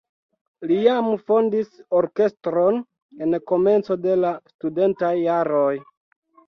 Li jam fondis orkestron en komenco de la studentaj jaroj.